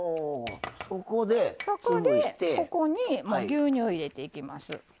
そこでここに牛乳入れていきます。